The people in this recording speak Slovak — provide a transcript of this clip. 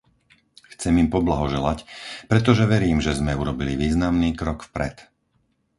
Chcem im poblahoželať, pretože verím, že sme urobili významný krok vpred.